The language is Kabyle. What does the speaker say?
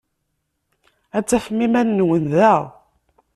Ad tafem iman-nwen da.